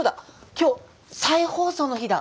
今日再放送の日だ。